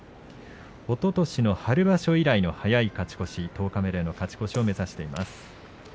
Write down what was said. おととしの春場所以来の早い勝ち越し、十日目での勝ち越しを目指しています。